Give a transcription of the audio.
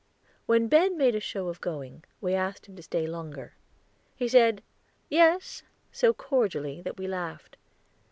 When Ben made a show of going, we asked him to stay longer. He said "Yes," so cordially, that we laughed.